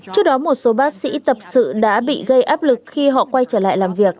trước đó một số bác sĩ tập sự đã bị gây áp lực khi họ quay trở lại làm việc